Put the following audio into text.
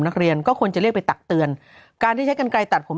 นักเรียนก็ควรจะเรียกไปตักเตือนการที่ใช้กันไกลตัดผม